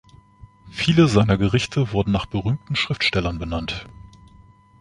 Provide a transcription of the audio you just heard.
Viele seiner Gerichte wurden nach berühmten Schriftstellern benannt.